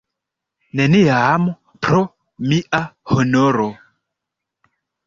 Neniam, pro mia honoro!